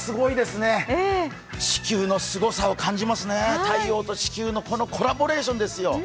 地球のすごさを感じますよね、太陽と地球のこのコラボレーションですよ。